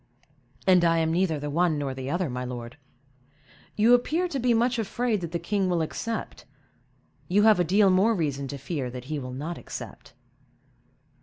"And I am neither the one nor the other, my lord. You appear to be much afraid that the king will accept; you have a deal more reason to fear that he will not accept."